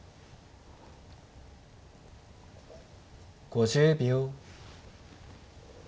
５０秒。